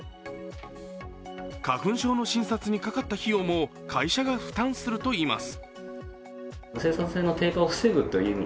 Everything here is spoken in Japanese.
花粉症の診察にかかった費用も会社が負担するといいます。